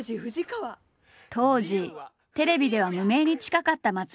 当時テレビでは無名に近かった松下。